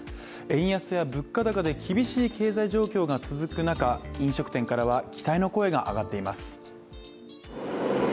円安や物価高で厳しい経済状況が続く中、飲食店からは、期待の声が上がっています。